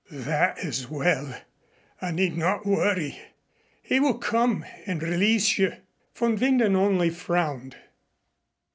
"That is well. I need not worry. He will come and release you." Von Winden only frowned.